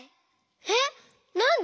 えっなんで？